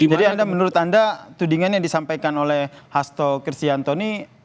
jadi anda menurut anda tudingan yang disampaikan oleh hasto kristianto ini ada apa